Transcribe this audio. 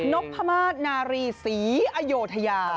นกพระมาศนารีสีอโยทยา